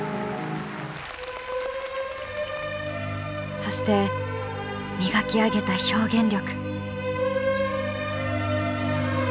そして磨き上げた表現力。